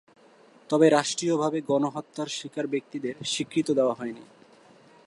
তবে রাষ্ট্রীয়ভাবে গণহত্যার শিকার ব্যক্তিদের স্বীকৃতি দেওয়া হয়নি।